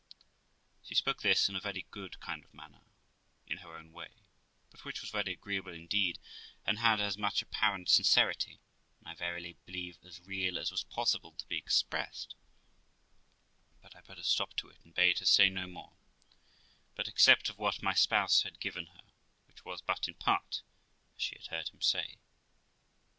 She spoke this in a very good kind of manner, in her own way, but which was very agreeable indeed, and had as much apparent sincerity, and I verily believe as real as was possible to be expressed; but I put a stop to it, and bade her say no more, but accept of what my spouse had given her, which was but in part, as she had heard him say.